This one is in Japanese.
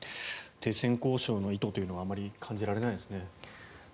停戦交渉の意図というのはあまり感じられないですね。